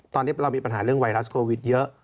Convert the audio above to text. ตอนนี้เรามีปัญหาเรื่องไวรัสโควิดเยอะ